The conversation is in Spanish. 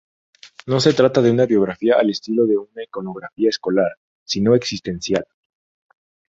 No se trata de una biografía al estilo de una iconografía escolar, sino existencial.